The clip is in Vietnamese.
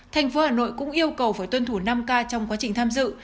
tp hà nội cũng yêu cầu phải tuân thủ năm k trong quá trình tham dự